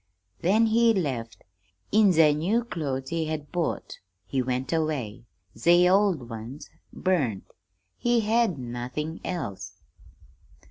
Then he left. In ze new clothes he had bought, he went away. Ze old ones burned. He had nothing else.'